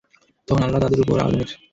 তখন আল্লাহ তাদের উপর আগুনের।